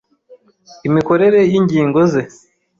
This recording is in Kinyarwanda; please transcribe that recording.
imikorere y’ingingo ze,